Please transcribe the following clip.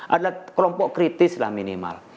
ada kelompok kritis lah minimal